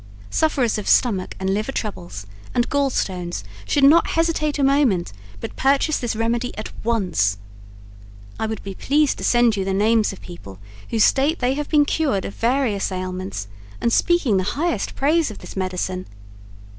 Sufferers of Stomach and Liver troubles and Gall Stones should not hesitate a moment, but purchase this remedy at once. I would be pleased to send you the names of people who state they have been cured of various aliments and speaking the highest praise of this medicine.